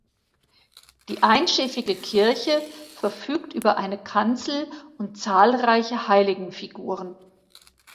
Die einschiffige Kirche verfügt über eine Kanzel und zahlreiche Heiligenfiguren.